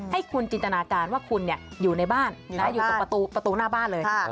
ให้คุณจินตนาการว่าคุณอยู่ในบ้านอยู่ตรงประตูหน้าบ้านเลย